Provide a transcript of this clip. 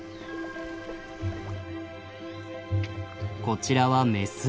こちらはメス。